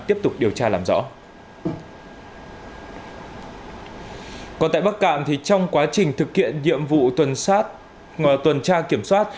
tiếp tục điều tra làm rõ còn tại bắc cạn trong quá trình thực hiện nhiệm vụ tuần tra kiểm soát